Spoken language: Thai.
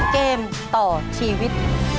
เกมต่อชีวิต